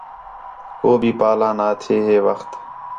کُو بھی پاہلا نہ تھے ہے وخت